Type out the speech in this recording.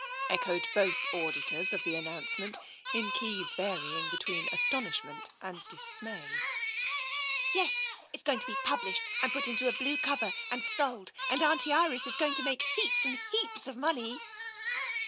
" echoed both auditors of the announce ment, in keys varying between astonishment and dismay. " Yes, and it's going to be published, and put into a blue cover, and sold, and Auntie Iris is going to make heaps and heaps of money!